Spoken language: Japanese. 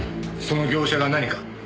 その業者が何か？